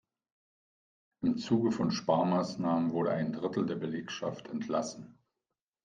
Im Zuge von Sparmaßnahmen wurde ein Drittel der Belegschaft entlassen.